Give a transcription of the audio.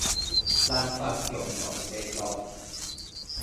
南北共同聯絡